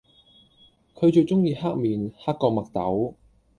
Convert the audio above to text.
佢最鍾意黑面，黑過墨斗